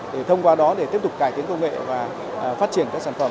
để thông qua đó để tiếp tục cải tiến công nghệ và phát triển các sản phẩm